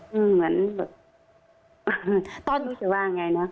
เหมือนแบบไม่รู้จะว่าอย่างไรนะ